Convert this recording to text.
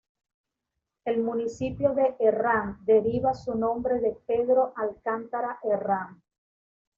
El municipio de Herrán deriva su nombre de Pedro Alcántara Herrán.